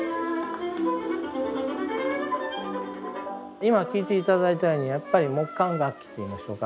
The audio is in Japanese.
今聴いて頂いたようにやっぱり木管楽器といいましょうか。